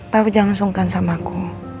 papa jangan sungkan sama aku